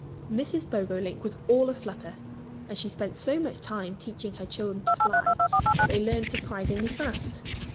Mrs. Bobolink was all a flutter. And she spent so much time teaching her children to fly that they learned surprisingly fast.